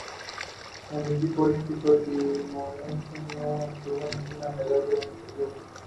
Actualmente la maestra Marcela Gómez Ramírez encabeza la dirección general del Trompo Mágico.